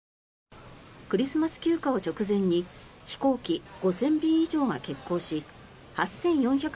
クリスマス休暇を直前に飛行機５０００便以上が欠航し８４００